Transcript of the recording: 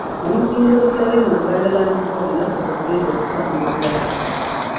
Omutindo gwe tulabye mu Buganda Land Board naffe kwe tugenda okutambulira.